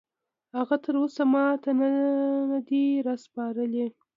هغه تراوسه ماته نه دي راسپارلي.